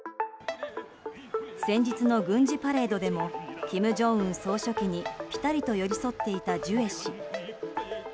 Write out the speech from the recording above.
先日の軍事パレードでも金正恩総書記に、ぴたりと寄り添っていたジュエ氏。